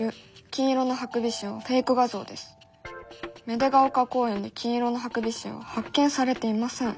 芽出ヶ丘公園で金色のハクビシンは発見されていません」。